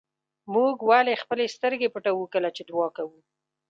ولې موږ خپلې سترګې پټوو کله چې دعا کوو.